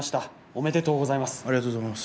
おめでとうございます。